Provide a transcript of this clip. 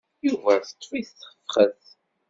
Yuba teṭṭef-it tefxet.